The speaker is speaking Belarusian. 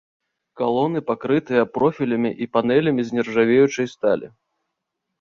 Калоны пакрытыя профілямі і панэлямі з нержавеючай сталі.